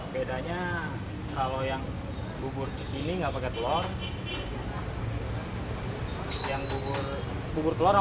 bedanya kalau yang bubur cikini